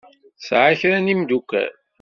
Tesεa kra n yemdukal.